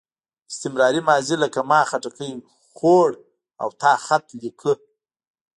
استمراري ماضي لکه ما خټکی خوړ او تا خط لیکه.